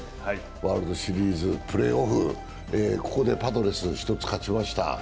ワールドシリーズ、プレーオフ、ここでパドレス、１つ勝ちました。